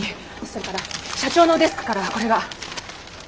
それから社長のデスクからこれが。